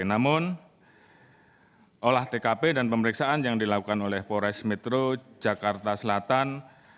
namun olah tkp dan pemeriksaan yang dilakukan oleh polres metro jakarta selatan